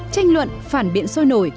tranh luận phản biện sôi nổi